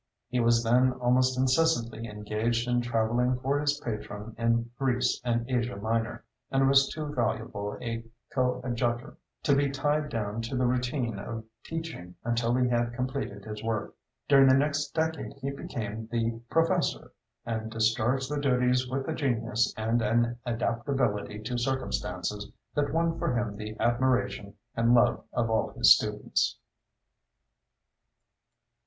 He was then almost incessantly engaged in travelling for his patron in Greece and Asia Minor, and was too valuable a coadjutor to be tied down to the routine of teaching until he had completed his work. During the next decade he became the "professor," and discharged the duties with a genius and an adaptability to circumstances that won for him the admiration and love of all his students.